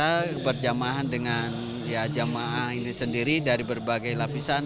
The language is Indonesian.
saya berjamaah dengan jemaah ini sendiri dari berbagai lapisan